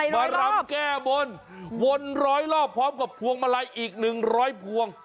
มารำแก้บนวนร้อยรอบพร้อมกับพวงมาลัยอีก๑๐๐พวง